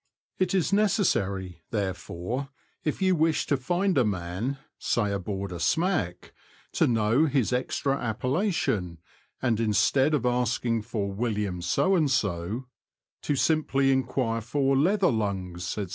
It is necessary, therefore, if you wish to find a man, say aboard a smack, to know his extra appellation, and instead of asking for William So and so, to simply CHARACTERISTICS AND DIALECT. 259 inquire for '^ Leatherlungs," &c.